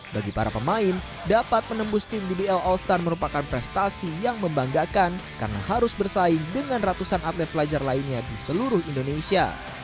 bagi para pemain dapat menembus tim dbl all star merupakan prestasi yang membanggakan karena harus bersaing dengan ratusan atlet pelajar lainnya di seluruh indonesia